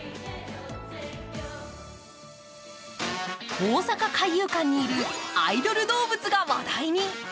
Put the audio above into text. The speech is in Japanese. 大阪・海遊館にいるアイドル動物が話題に。